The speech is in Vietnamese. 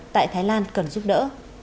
tại thái lan cần giúp đỡ